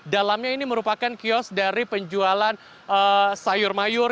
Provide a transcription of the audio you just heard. dalamnya ini merupakan kios dari penjualan sayur mayur